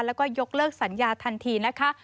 แล้วก็ยกเลิกสัญญาทันทีนะคะ